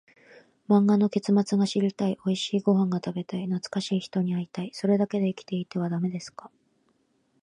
漫画の結末が知りたい、おいしいご飯が食べたい、懐かしい人に会いたい、それだけで生きていてはダメですか？